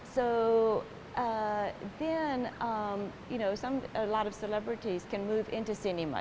jadi banyak selebriti bisa berubah menjadi seniman